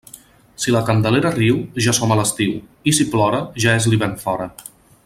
Si la Candelera riu, ja som a l'estiu; i si plora, ja és l'hivern fora.